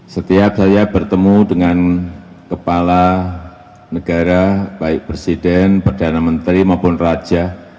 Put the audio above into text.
setiap saya bertemu dengan kepala negara baik presiden perdana menteri maupun raja